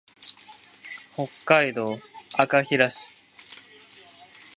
北海道赤平市